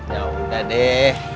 ya engga deh